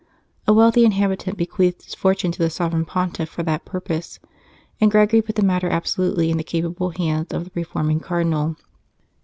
A wealthy inhabitant bequeathed his fortune to the Sovereign Pontiff for that purpose, and Gregory put the matter abso lutely in the capable hands of the reforming Cardinal.